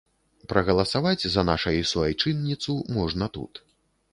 Прагаласаваць за нашай суайчынніцу можна тут.